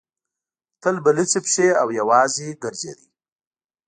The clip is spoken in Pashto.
تل به لڅې پښې او یوازې ګرځېد.